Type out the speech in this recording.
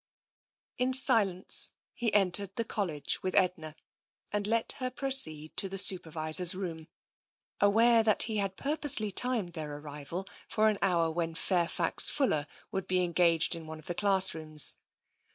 In silence, he entered the College with Edna, and let her proceed to the Supervisor's room, aware that he had purposely timed their arrival for an hour when Fairfax Fuller would be engaged in one of the class rooms.